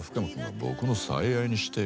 僕の「最愛」にしてよ。